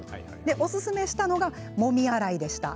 おすすめしたのはもみ洗いでした。